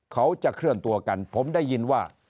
เขาจะเคลื่อนตัวกันผมได้ยินว่า